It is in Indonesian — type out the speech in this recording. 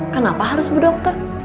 kenapa harus berdokter